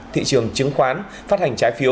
thị trường chứng khoán phát hành trái phiếu